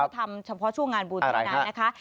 ทำเฉพาะช่วงงานบุญเท่านั้นนะคะ